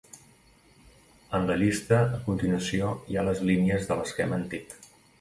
En la llista a continuació hi ha les línies de l'esquema antic.